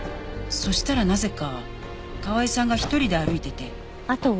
そしたらなぜか河合さんが一人で歩いてて。